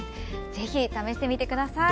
ぜひ試してみてください。